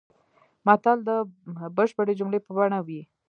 متل د بشپړې جملې په بڼه وي